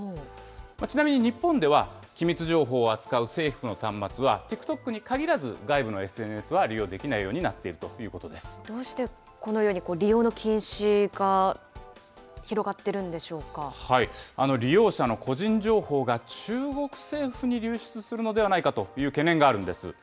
ちなみに、日本では機密情報を扱う政府の端末は、ＴｉｋＴｏｋに限らず、外部のＳＮＳは利用できないようになっているということどうしてこのように利用の禁利用者の個人情報が中国政府に流出するのではないかという懸念があるんです。